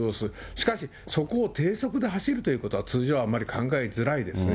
しかし、そこを低速で走るということは、通常あまり考えづらいですね。